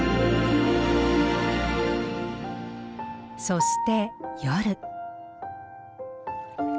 そして夜。